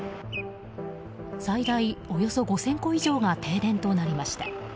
最大およそ５０００戸以上が停電となりました。